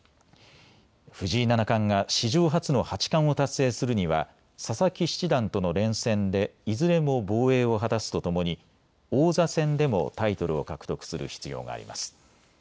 藤井七冠が史上初の八冠を達成するには佐々木七段との連戦でいずれも防衛を果たすとともに王座戦でもタイトルを獲得する必要があります。